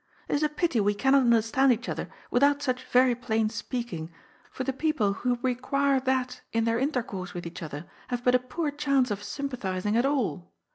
It is a pity we cannot understand each other without such very plain speaking, for the* people who require that in their intercourse with each other have but a poor chance of sympathizing at all.